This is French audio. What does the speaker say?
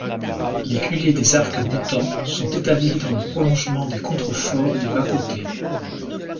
Les culées des arc-boutants sont établies dans le prolongement des contreforts des bas-côtés.